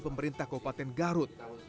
pemerintah kabupaten garut